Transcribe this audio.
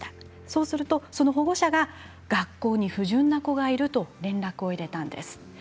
そうすると、その保護者が学校に不純な子がいると連絡を入れたんです。